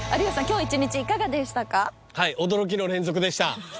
はい驚きの連続でした